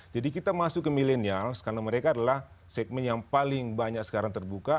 jadi kita masuk ke millennial karena mereka adalah segmen yang paling banyak sekarang terbuka